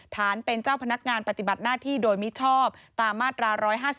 ฐานเป็นเจ้าพนักงานปฏิบัติหน้าที่โดยมิชอบตามมาตรา๑๕๒